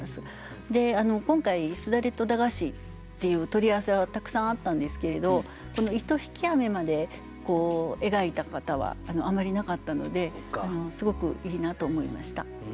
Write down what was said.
今回「簾」と「駄菓子」っていう取り合わせはたくさんあったんですけれどこの「糸引き」まで描いた方はあんまりいなかったのですごくいいなと思いました。